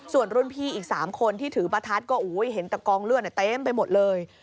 ส่วนรุ่นพี่อีก๓คนที่ถือประทัดก็เห็นแต่กองเลือดเต็มไปหมดเลย